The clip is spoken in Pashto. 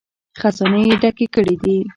خزانې یې ډکې کړې دي.